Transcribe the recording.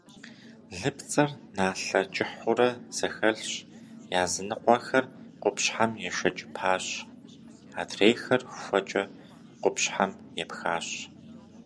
Лыпцӏэр налъэ кӏыхьурэ зэхэлъщ, языныкъуэхэр къупщхьэм ешэкӏыпащ, адрейхэр хуэкӏэ къупщхьэм епхащ.